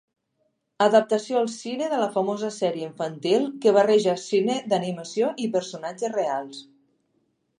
Adaptació al cine de la famosa sèrie infantil que barreja cine d'animació i personatges reals.